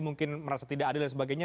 mungkin merasa tidak adil dan sebagainya